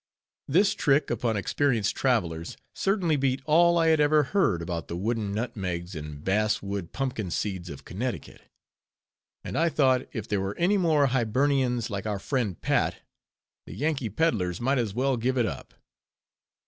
This trick upon experienced travelers certainly beat all I had ever heard about the wooden nutmegs and bass wood pumpkin seeds of Connecticut. And I thought if there were any more Hibernians like our friend Pat, the Yankee peddlers might as well give it up.